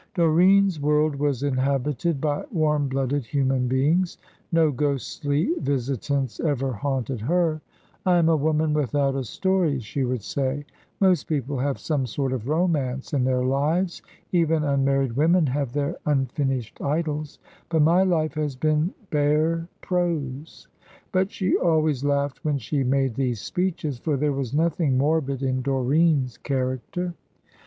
Doreen's world was inhabited by warm blooded human beings; no ghostly visitants ever haunted her. "I am a woman without a story," she would say. "Most people have some sort of romance in their lives even unmarried women have their unfinished idylls; but my life has been bare prose." But she always laughed when she made these speeches, for there was nothing morbid in Doreen's character.